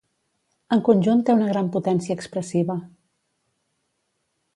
En conjunt té una gran potència expressiva.